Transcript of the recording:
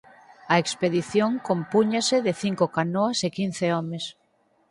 A expedición compúñase de cinco canoas e quince homes.